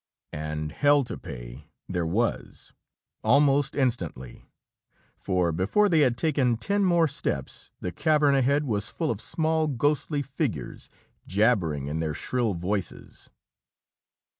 And "hell to pay" there was, almost instantly for before they had taken ten more steps, the cavern ahead was full of small, ghostly figures, jabbering in their shrill voices.